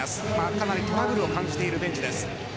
かなりトラブルを感じているベンチです。